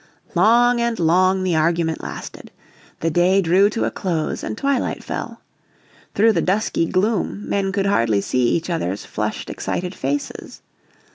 Long and long the argument lasted. The day drew to a close and twilight fell. Through the dusky gloom men could hardly see each other's flushed, excited faces.